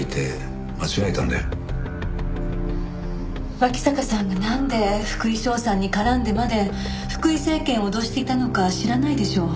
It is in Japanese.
脇坂さんがなんで福井翔さんに絡んでまで福井精研を脅していたのか知らないでしょう？